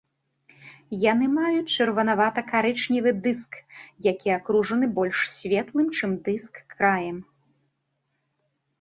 Яны маюць чырванавата-карычневы дыск, які акружаны больш светлым, чым дыск, краем.